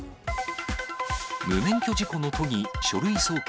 無免許事故の都議、書類送検。